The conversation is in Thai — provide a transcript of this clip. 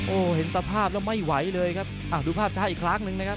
โอ้เห็นตัวภาพแล้วไม่ไหวเลยครับดูภาพจ้างอีกครั้งนึงนะครับ